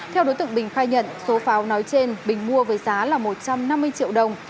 theo đối tượng bình khai nhận số pháo nói trên bình mua với giá là một trăm năm mươi triệu đồng